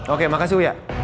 oke makasih uya